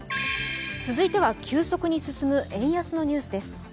続いては急速に進む円安のニュースです。